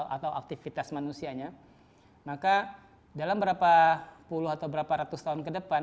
atau aktivitas manusianya maka dalam berapa puluh atau berapa ratus tahun ke depan